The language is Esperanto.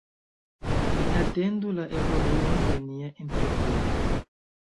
Ni atendu la evoluon de nia entrepreno.